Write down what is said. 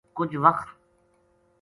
کُجھ وخ